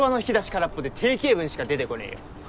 空っぽで定型文しか出てこねえよ